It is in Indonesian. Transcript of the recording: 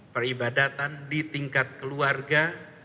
peribadatan di tingkat keluarga